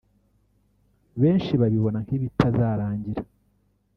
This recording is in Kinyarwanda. benshi babibona nk’ibitazarangira